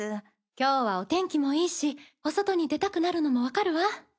今日はお天気もいいしお外に出たくなるのも分かるわ。